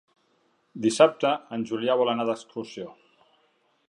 Dissabte en Julià vol anar d'excursió.